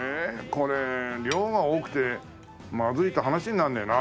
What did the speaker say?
これ量が多くてまずいと話になんねえな。